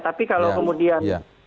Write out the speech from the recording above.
tapi kalau kemudian